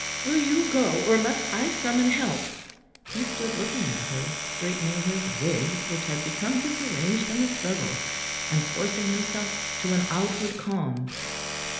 "Will you go, or must I summon help?" He stood looking at her, straightening his wig, which had become disarranged in the struggle, and forcing himself to an outward calm.